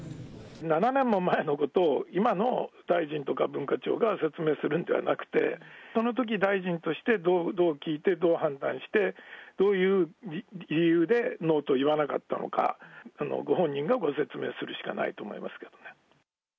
７年も前のことを今の大臣とか文化庁が説明するのではなくて、そのときの大臣としてどう聞いて、どう判断して、どういう理由でノーと言わなかったのか、ご本人がご説明するしかないと思いますけどね。